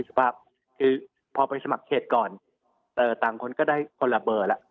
สภาพคือพอไปสมัครเขตก่อนต่างคนก็ได้คนละเบอร์แล้ว